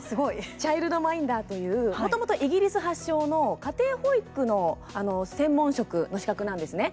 チャイルドマインダーというもともとイギリス発祥の家庭保育の専門職の資格なんですね。